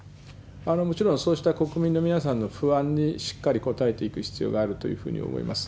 もちろんそうした国民の皆様の不安にしっかり応えていく必要があるというふうに思います。